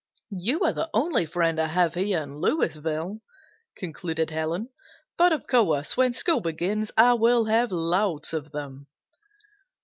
You are the only friend I have here in Louisville," concluded Helen, "but of course when school begins I will have lots of them."